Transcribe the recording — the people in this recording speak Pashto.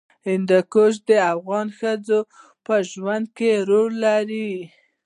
هندوکش د افغان ښځو په ژوند کې رول لري.